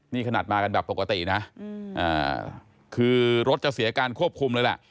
นี่ขนาดมากันแบบปกตินะคือรถจะเสียการควบคุมเลยแหละ